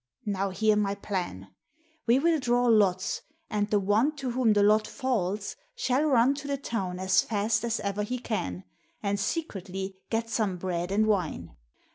Now hear my plan. We will draw lots, and the one to whom the lot falls shall run to the town as fast as ever he can and secretly get some bread and wine.